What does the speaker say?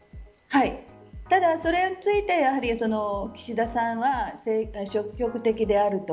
ただ、それについて岸田さんは消極的であると。